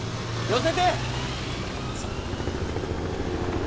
寄せて！